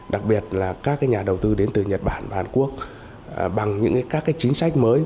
đặc biệt là các nhà đầu tư đến từ nhật bản và hàn quốc bằng những các chính sách mới